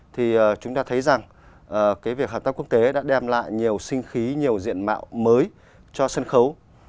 thì chúng ta thấy rằng việc hợp tác quốc tế đã đem lại nhiều sinh khí nhiều diện mạo mới cho sân khấu